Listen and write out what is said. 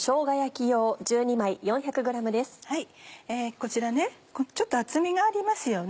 こちらちょっと厚みがありますよね。